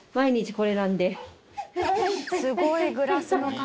すごいグラスの数。